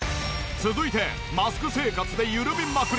続いてマスク生活で緩みまくり